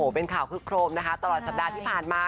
เป็นข่าวคึกโครมนะคะตลอดสัปดาห์ที่ผ่านมา